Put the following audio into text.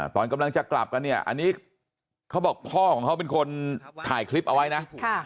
ตอนกำลังจะกลับกันเนี่ยอันนี้เขาบอกพ่อของเขาเป็นคนถ่ายคลิปเอาไว้นะ